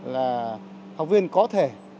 là học viên có thể